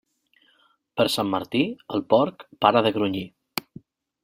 Per Sant Martí, el porc para de grunyir.